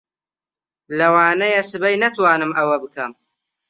لەوانەیە سبەی نەتوانم ئەوە بکەم.